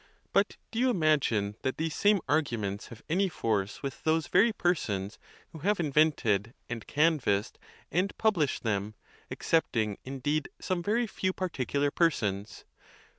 But do you imagine that these same argu ments have any force with those very persons who have invented, and canvassed, and published them, excepting in deed some very few particular persons?